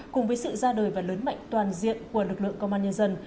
cùng với sự ra đời và lớn mạnh toàn diện của lực lượng công an nhân dân